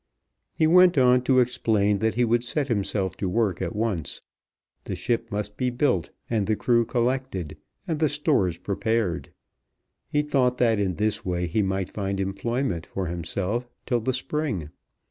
He went on to explain that he would set himself to work at once. The ship must be built, and the crew collected, and the stores prepared. He thought that in this way he might find employment for himself till the spring.